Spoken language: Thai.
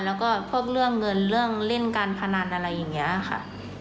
แล้วก็พวกเรื่องเงินเรื่องเล่นการพนันอะไรอย่างนี้ค่ะ